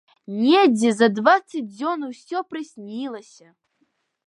Недзе за дваццаць дзён усё прыснілася.